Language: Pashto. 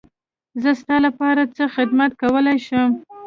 زه ستا لپاره څه خدمت کولی شم.